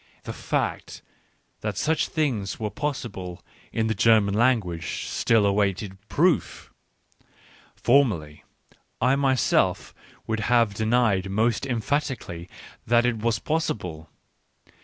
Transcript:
The fact that such things were possible in the German language still awaited proof; formerly, I myself would have denied most emphatically that it was possible.